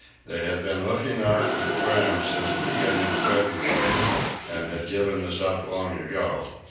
They had been looking out for the Fram since the beginning of February, and had given us up long ago.